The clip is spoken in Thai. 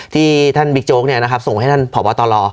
ที่ท่านบิ๊กโจ๊กเนี่ยนะครับส่งไว้ให้ท่านพอบอตร